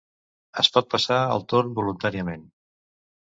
Es pot passar el torn voluntàriament.